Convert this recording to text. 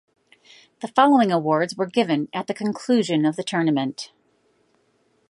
The following awards were given at the conclusion of the tournament.